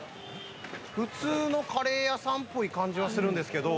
普通のカレー屋さんっぽい感じがするんですけど。